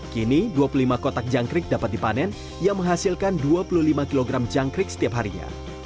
kini dua puluh lima kotak jangkrik dapat dipanen yang menghasilkan dua puluh lima kg jangkrik setiap harinya